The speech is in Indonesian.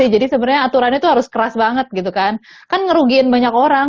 jadi sebenarnya aturannya harus keras banget gitu kan kan ngerugiin banyak orang